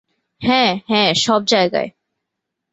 হ্যাঁ, হ্যাঁ, সব জায়গায়।